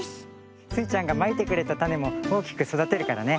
スイちゃんがまいてくれたたねもおおきくそだてるからね。